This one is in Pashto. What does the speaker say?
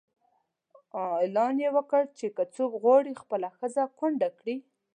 اعلان یې وکړ چې که څوک غواړي خپله ښځه کونډه کړي.